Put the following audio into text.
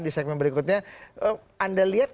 di segmen berikutnya anda lihat